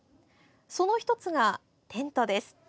その１つがテントです。